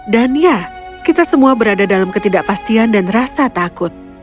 dan ya kita semua berada dalam ketidakpastian dan rasa takut